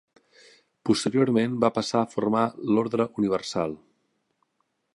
Posteriorment va passar a formar l'Ordre Universal.